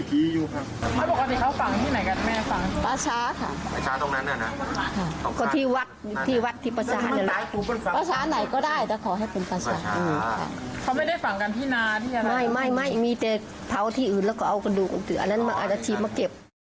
กลัววิญญาณเด็กน้อยครับ